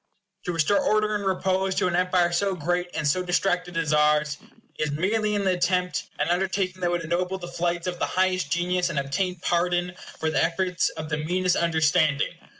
To restore order and repose to an empire so great and so distracted as ours, is, merely in the attempt, an undertaking that would ennoble the flights of the highest genius, and obtain pardon for the efforts of the meanest understanding.